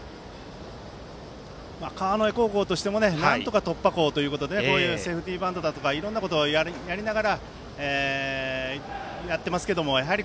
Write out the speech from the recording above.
川之江高校としてもなんとか突破口をということでこういうセーフティーバントとかいろんなことをやりながらやっていますけども。